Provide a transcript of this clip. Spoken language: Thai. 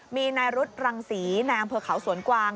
มีนายรุษรังศรีในอำเภอเขาสวนกวาง